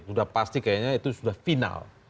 sudah pasti kayaknya itu sudah final